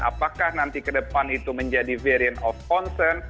apakah nanti ke depan itu menjadi variant of concern